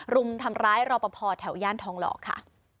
รุมทำร้ายรอปภแถวย่านทองหล่อค่ะ